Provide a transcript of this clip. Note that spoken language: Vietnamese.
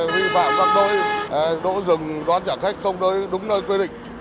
vi phạm các nỗi đỗ rừng đoán trả khách không đối đúng nơi quy định